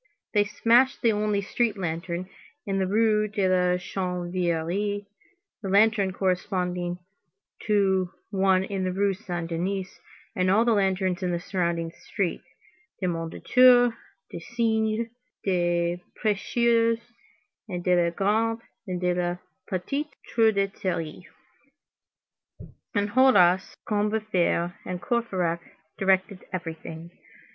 They smashed the only street lantern in the Rue de la Chanvrerie, the lantern corresponding to one in the Rue Saint Denis, and all the lanterns in the surrounding streets, de Mondétour, du Cygne, des Prêcheurs, and de la Grande and de la Petite Truanderie. Enjolras, Combeferre, and Courfeyrac directed everything.